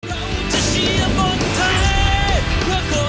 เราจะเชียร์บอลไทยเพื่อคนไทย